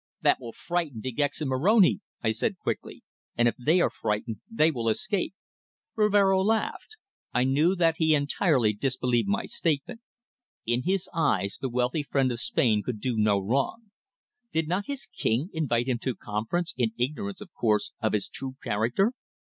"That will frighten De Gex and Moroni," I said quickly. "And if they are frightened they will escape!" Rivero laughed. I knew that he entirely disbelieved my statement. In his eyes the wealthy friend of Spain could do no wrong. Did not his King invite him to conference, in ignorance, of course, of his true character?